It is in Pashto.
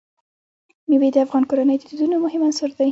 مېوې د افغان کورنیو د دودونو مهم عنصر دی.